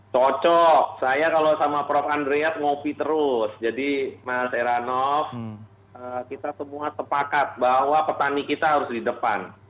cocok saya kalau sama prof andreat ngopi terus jadi mas heranov kita semua sepakat bahwa petani kita harus di depan